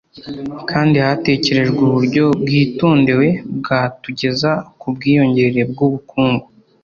kandi hatekerejwe uburyo bwitondewe bwatugeza ku bwiyongere bw'ubukungu.